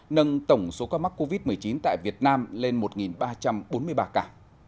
nâng tổng số ca mắc covid một mươi chín tại việt nam lên một ba trăm bốn mươi ba cả